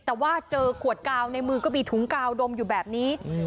แต่ว่าเจอขวดกาวในมือก็มีถุงกาวดมอยู่แบบนี้